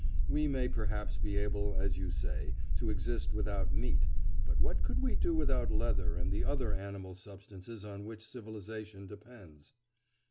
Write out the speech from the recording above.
We may perhaps be able, as you say, to exist without meat, but what could we do without leather and the other animal substances on which civilisation depends?